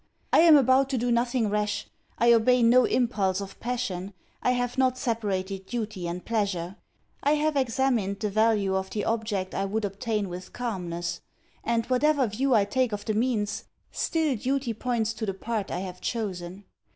I am about to do nothing rash, I obey no impulse of passion, I have not separated duty and pleasure. I have examined the value of the object I would obtain with calmness; and whatever view I take of the means, still duty points to the part I have chosen.